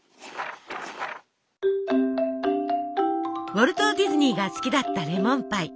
ウォルト・ディズニーが好きだったレモンパイ。